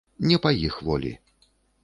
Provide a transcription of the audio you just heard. Не па іх волі.